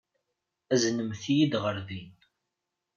Aznemt-iyi ɣer din.